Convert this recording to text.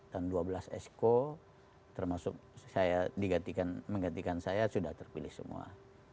dan dua belas exco termasuk saya menggantikan saya sudah terpilih semua